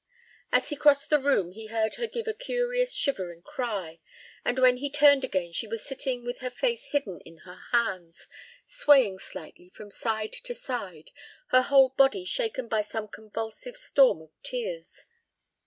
As he crossed the room he heard her give a curious, shivering cry, and when he turned again she was sitting with her face hidden in her hands, swaying slightly from side to side, her whole body shaken by some convulsive storm of tears.